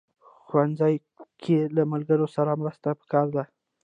ښوونځی کې له ملګرو سره مرسته پکار ده